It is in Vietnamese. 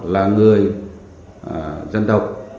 là người dân tộc